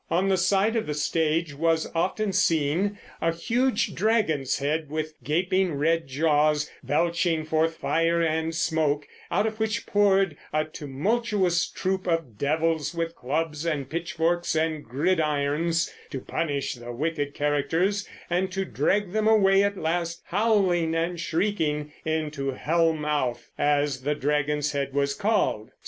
On the side of the stage was often seen a huge dragon's head with gaping red jaws, belching forth fire and smoke, out of which poured a tumultuous troop of devils with clubs and pitchforks and gridirons to punish the wicked characters and to drag them away at last, howling and shrieking, into hell mouth, as the dragon's head was called.